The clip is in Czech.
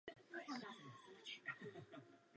Mše za mrtvé se však vykonávají dodnes.